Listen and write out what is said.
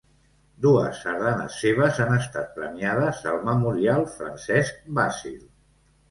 Dues sardanes seves han estat premiades al Memorial Francesc Basil.